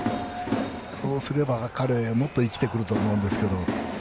そうすれば、彼、もっと生きてくると思うんですけど。